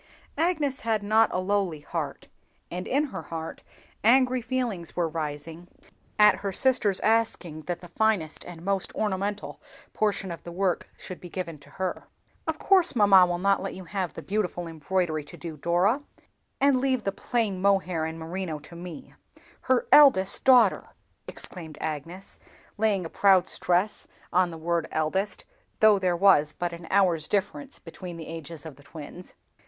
Agnes had not a lowly heart, and in her heart angry feelings were rising at her sister's asking that the finest and most ornamental portion of the work should be given to her. "Of course mamma will not let you have the beautiful embroidery to do, Dora, and leave the plain mohair and merino to me, her eldest daughter!" exclaimed Agnes, laying a proud stress on the word eldest, though, there was but an hour's difference between the ages of the twins.